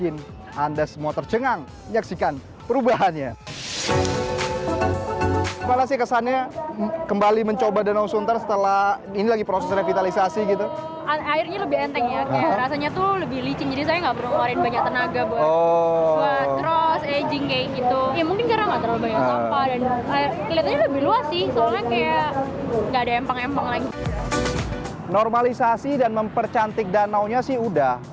normalisasi dan mempercantik danaunya sih udah